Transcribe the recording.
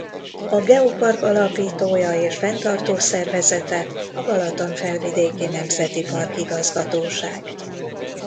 A geopark alapítója és fenntartó szervezete a Balaton-felvidéki Nemzeti Park Igazgatóság.